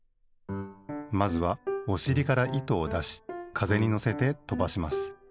まずはおしりから糸をだしかぜにのせてとばします。